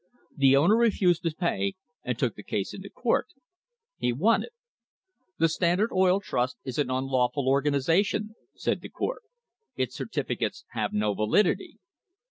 The owner refused to pay and took the case into court. He won it. The Standard Oil Trust is an unlawful organisation, said the court. Its certificates have no validity.